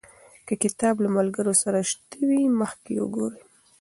که کتاب له ملګرو سره شته وي، مخکې یې وګورئ.